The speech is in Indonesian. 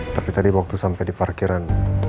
tapi tadi waktu sampai di parkiran